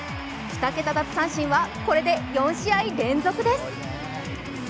２桁奪三振はこれで４試合連続です。